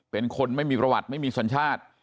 เป็นคนไม่มีประวัติไม่มีสัญชาติ